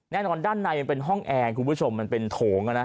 แน่นอนด้านในมันเป็นห้องแอร์คุณผู้ชมมันเป็นโถง